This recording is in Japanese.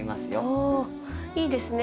おいいですね。